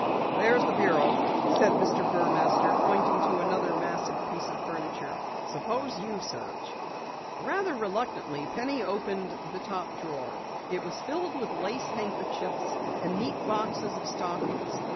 "There's the bureau," said Mr. Burmaster, pointing to another massive piece of furniture. "Suppose you search." Rather reluctantly, Penny opened the top drawer. It was filled with lace handkerchiefs, and neat boxes of stockings.